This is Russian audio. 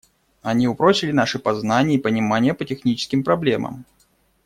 Они упрочили наши познания и понимания по техническим проблемам.